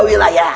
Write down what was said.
boleh lah lah